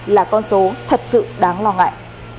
là con số thật sự đáng lo ngại